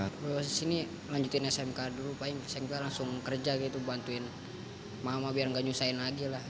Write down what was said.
kalau di sini lanjutin sma dulu sma langsung kerja gitu bantuin mama biar gak nyusahin lagi lah